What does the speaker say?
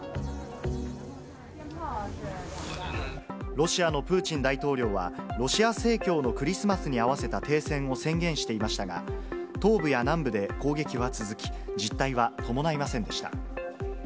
ロシアのプーチン大統領は、ロシア正教のクリスマスに合わせた停戦を宣言していましたが、東部や南部で攻撃は続き、実態は伴いませんでした。